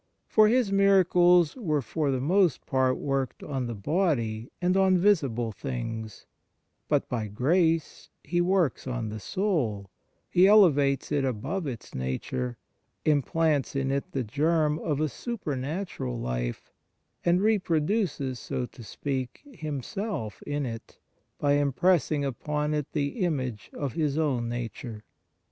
1 For His miracles were for the most part worked on the body and on visible things, but by grace He works on the soul, He elevates it above its nature, implants in it the germ of a supernatural life, and reproduces, so to speak, Himself in it by impressing upon it the image of His own nature.